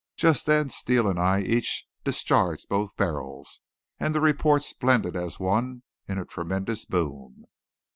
Just then Steele and I each discharged both barrels, and the reports blended as one in a tremendous boom.